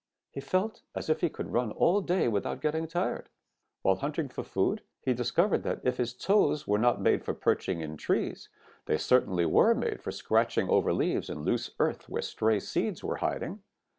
He felt as if he could run all day without getting tired. While hunting for food he discovered that if his toes were not made for perching in trees, they certainly were made for scratching over leaves and loose earth where stray seeds were hiding.